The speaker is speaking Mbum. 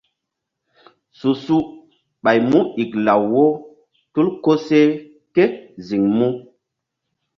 Su-su ɓay mu iklaw wo tul koseh ké ziŋ mu.